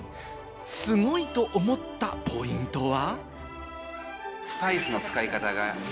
すごいと思ったポイントは。